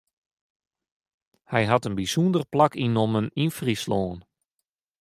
Hy hat in bysûnder plak ynnommen yn Fryslân.